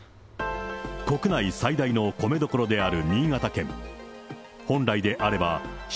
国内最大の米どころである新潟県。